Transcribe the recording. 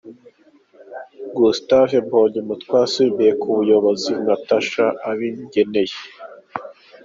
Gustave Mbonyumutwa yasimbuye ku buyobozi Natacha Abingeneye.